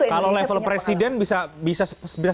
kalau level presiden bisa